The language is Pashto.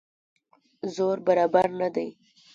زور برابر نه دی.